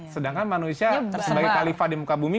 sedangkan manusia sebagai kalifah di muka bumi